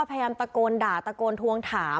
พยายามตะโกนด่าตะโกนทวงถาม